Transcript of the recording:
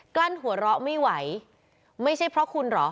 ลั้นหัวเราะไม่ไหวไม่ใช่เพราะคุณเหรอ